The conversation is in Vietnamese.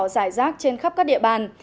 giải rác trên khắp các địa bàn